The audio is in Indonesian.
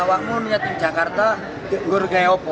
awangmu niat di jakarta guruhnya apa